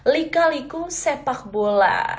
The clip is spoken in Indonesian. lika liku sepak bola